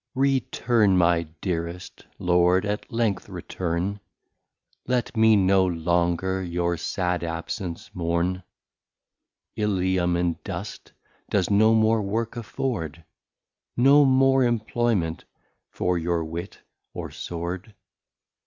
Return my dearest Lord, at length return, Let me no longer your sad absence mourn, Ilium in Dust, does no more Work afford, No more Employment for your Wit or Sword.